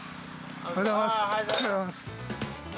おはようございます。